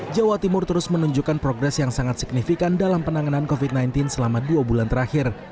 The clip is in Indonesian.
jawa timur terus menunjukkan progres yang sangat signifikan dalam penanganan covid sembilan belas selama dua bulan terakhir